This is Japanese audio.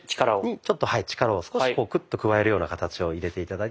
ちょっとはい力を少しクッと加えるような形を入れて頂いて。